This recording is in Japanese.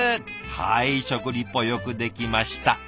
はい食リポよくできました。